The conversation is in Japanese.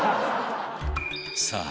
さあ